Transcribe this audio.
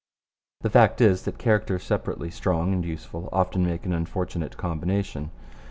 The fact is that characters separately strong and useful often make an unfortunate combination.